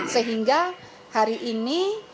sehingga hari ini